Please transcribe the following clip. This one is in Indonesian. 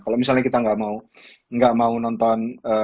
kalau misalnya kita nggak mau nonton